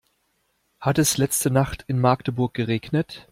Hat es letzte Nacht in Magdeburg geregnet?